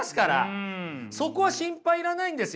そこは心配いらないんですよ。